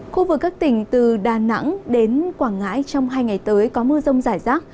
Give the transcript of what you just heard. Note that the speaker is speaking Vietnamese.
khu vực các tỉnh từ đà nẵng đến quảng ngãi trong hai ngày tới có mưa rông rải rác